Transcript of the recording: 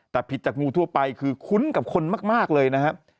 แต่ผิดจากงูทั่วไปคือคุ้นกับคนมากเลยนะครับ